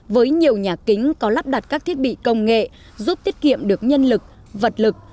với nhiều nhà kính có lắp đặt các thiết bị công nghệ giúp tiết kiệm được nhân lực vật lực